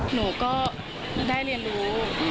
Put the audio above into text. หนูก็ได้เรียนรู้